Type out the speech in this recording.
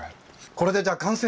これでじゃあ完成？